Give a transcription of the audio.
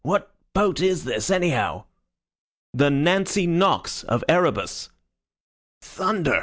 What boat is this, anyhow?" "The Nancy Nox, of Erebus." "Thunder!"